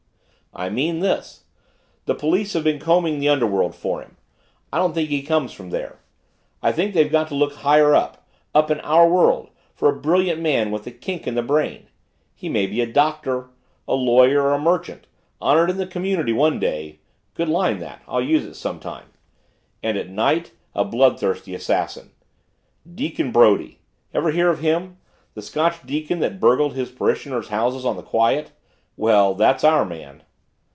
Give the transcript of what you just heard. "I mean this. The police have been combing the underworld for him; I don't think he comes from there. I think they've got to look higher, up in our world, for a brilliant man with a kink in the brain. He may be a Doctor, a lawyer, a merchant, honored in his community by day good line that, I'll use it some time and at night, a bloodthirsty assassin. Deacon Brodie ever hear of him the Scotch deacon that burgled his parishioners' houses on the quiet? Well that's our man."